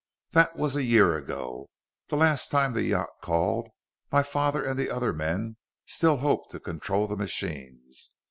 "That was a year ago. The last time the yacht called, my father and the other men still hoped to control the machines.